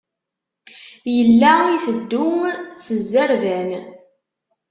Yella iteddu s zzerban.